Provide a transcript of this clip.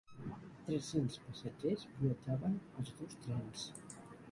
Tres-cents passatgers viatjaven als dos trens.